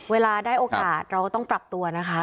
เวลาได้โอกาสเราก็ต้องปรับตัวนะคะ